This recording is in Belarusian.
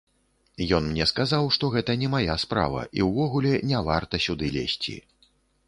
Ён мне сказаў, што гэта не мая справа і ўвогуле не варта сюды лезці.